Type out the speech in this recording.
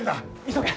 急げ！